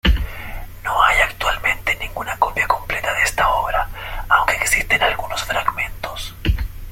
No hay actualmente ninguna copia completa de esta obra, aunque existen algunos fragmentos.